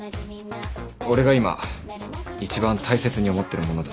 俺が今一番大切に思ってるものだ。